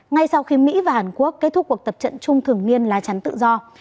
ngay sau khi mỹ và hàn quốc kết thúc cuộc tập trận chung thường niên lá chắn tự do